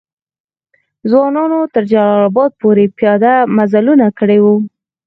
ځوانانو تر جلال آباد پوري پیاده مزلونه کړي وو.